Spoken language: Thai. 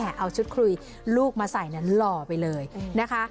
เอาชุดคุยลูกมาใส่หล่อไปเลยนะคะ